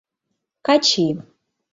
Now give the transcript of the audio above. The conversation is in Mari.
Качи.